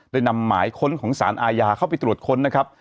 นำหมายค้นของสารอาญาเข้าไปตรวจค้นนะครับ